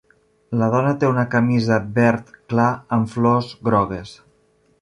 La dona té una camisa verd clar amb flors grogues